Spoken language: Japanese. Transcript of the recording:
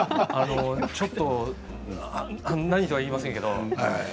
ちょっと何とは言いませんけれど。